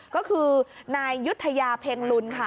ก็คือนายยุธยาเพ็งลุนค่ะ